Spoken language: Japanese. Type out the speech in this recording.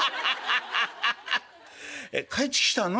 えっ帰ってきたの？